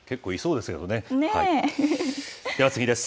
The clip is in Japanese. では次です。